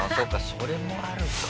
それもあるか」